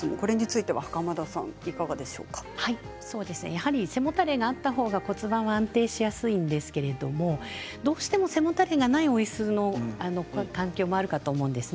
やはり背もたれがあったほうが骨盤が安定しやすいんですけれどどうしても背もたれがないおいすの環境もあると思います。